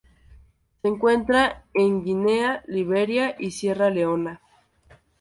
Se encuentra en Guinea, Liberia y Sierra Leona.